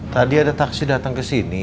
tadi ada taksi datang kesini